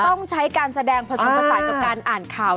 ต้องใช้การแสดงผสมผสานกับการอ่านข่าว